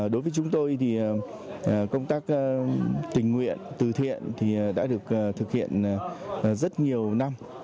đối với chúng tôi thì công tác tình nguyện từ thiện thì đã được thực hiện rất nhiều năm